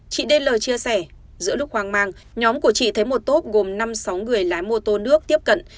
chị đen lời chia sẻ giữa lúc hoang mang nhóm của chị thấy một tốp gồm năm sáu người lái mô tô nước tiếp cận